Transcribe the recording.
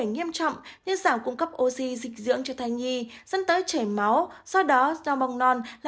nghiêm trọng như giảm cung cấp oxy dinh dưỡng cho thai nhi dẫn tới chảy máu do đó nhò bong non là